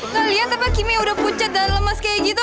gak liat apa kimmy udah pucat dan lemas kayak gitu